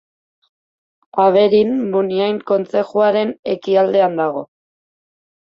Aberin Muniain kontzejuaren ekialdean dago.